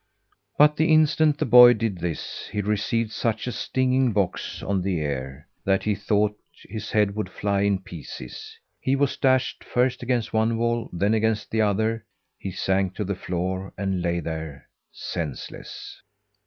But the instant the boy did this, he received such a stinging box on the ear, that he thought his head would fly in pieces. He was dashed first against one wall, then against the other; he sank to the floor, and lay there senseless.